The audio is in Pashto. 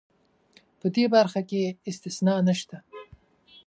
په دې برخه کې استثنا نشته.